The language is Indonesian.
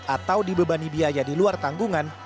atau dibebani biaya di luar tanggungan